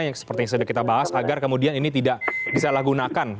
yang seperti yang sudah kita bahas agar kemudian ini tidak disalahgunakan